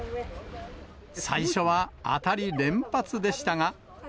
最初は当たり連発でしたが。